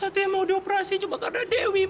satria mau dioperasi cuma karena dewi ma